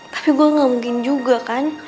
tapi gue gak mungkin juga kan